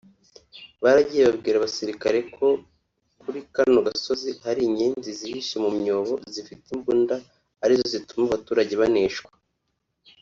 Baragiye babwira abasirikare ko kuri kano gasozi hariho inyenzi zihishe mu myobo zifite imbunda arizo zituma abaturage baneshwa »